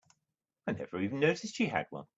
I never even noticed she had one.